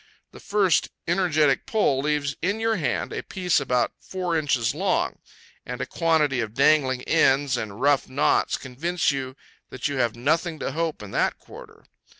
the first energetic pull leaves in your hand a piece about four inches long, and a quantity of dangling ends and rough knots convince you that you have nothing to hope in that quarter.